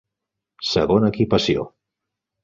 Segona Equipació: